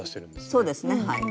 そうですねはい。